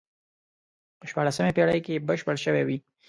په شپاړسمې پېړۍ کې بشپړ شوی وي.